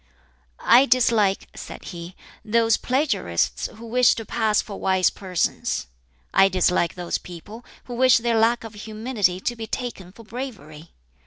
"I dislike," said he, "those plagiarists who wish to pass for wise persons. I dislike those people who wish their lack of humility to be taken for bravery.